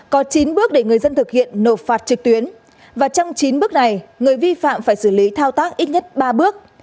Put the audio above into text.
có chín bước để người dân thực hiện nộp phạt trực tuyến và trong chín bước này người vi phạm phải xử lý thao tác ít nhất ba bước